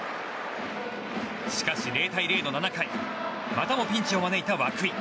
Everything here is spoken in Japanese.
しかし０対０の７回またもピンチを招いた涌井。